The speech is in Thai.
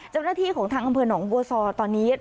เจ้าหน้าที่ของทางอำเภอหนองบัวซอตอนนี้